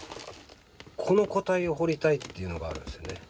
この個体を彫りたいっていうのがあるんですよね。